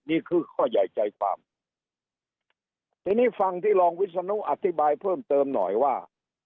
นี่คือข้อใหญ่ใจความทีนี้ฟังที่รองวิศนุอธิบายเพิ่มเติมหน่อยว่า